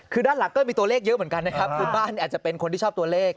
คือด้านหลังก็มีตัวเลขเยอะเหมือนกันนะครับคือบ้านอาจจะเป็นคนที่ชอบตัวเลข